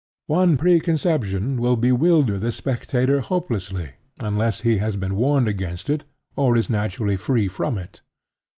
One preconception will bewilder the spectator hopelessly unless he has been warned against it or is naturally free from it.